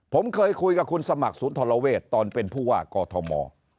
ผมเคยคุยกับคุณสมัครศูนย์ธรเวศตอนเป็นผู้ว่ากอทม